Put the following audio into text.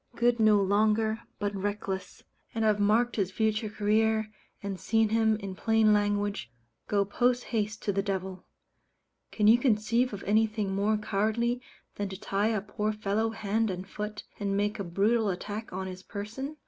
good no longer, but reckless. And I've marked his future career, and seen him, in plain language, go posthaste to the devil. Can you conceive of anything more cowardly than to tie a poor fellow hand and foot, and make a brutal attack on his person?